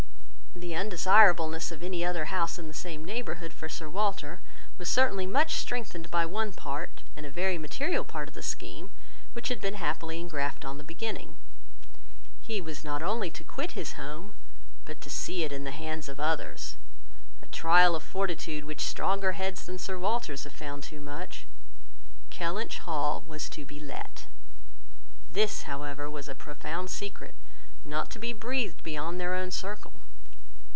The undesirableness of any other house in the same neighbourhood for Sir Walter was certainly much strengthened by one part, and a very material part of the scheme, which had been happily engrafted on the beginning. He was not only to quit his home, but to see it in the hands of others; a trial of fortitude, which stronger heads than Sir Walter's have found too much. Kellynch Hall was to be let. This, however, was a profound secret, not to be breathed beyond their own circle.